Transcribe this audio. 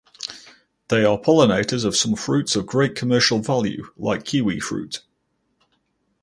They are pollinators of some fruits of great commercial value like kiwi fruit.